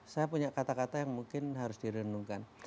saya punya kata kata yang mungkin harus direnungkan